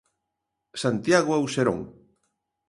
Santiago Auserón.